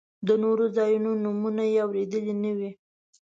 د نورو ځایونو نومونه یې اورېدلي نه وي.